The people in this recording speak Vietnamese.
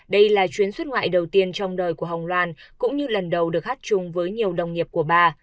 đây là chuyến xuất ngoại đầu tiên trong đời của hồng loan cũng như lần đầu được hát chung với nhiều đồng nghiệp của bà